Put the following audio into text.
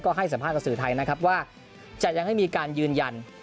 ให้สัมภาษณ์กับสื่อไทยนะครับว่าจะยังไม่มีการยืนยัน